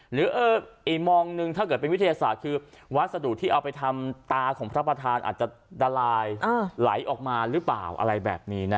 หรืออีกมองหนึ่งถ้าเกิดเป็นวิทยาศาสตร์คือวัสดุที่เอาไปทำตาของพระประธานอาจจะละลายไหลออกมาหรือเปล่าอะไรแบบนี้นะ